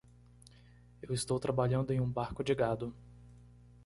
Eu estou trabalhando em um barco de gado.